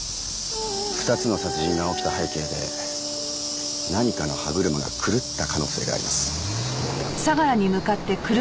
２つの殺人が起きた背景で何かの歯車が狂った可能性があります。